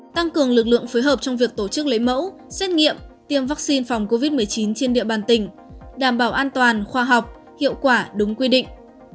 tăng cường lực lượng phối hợp trong việc tổ chức lấy mẫu xét nghiệm tiêm vaccine phòng covid một mươi chín trên địa bàn tỉnh đảm bảo an toàn khoa học hiệu quả đúng quy định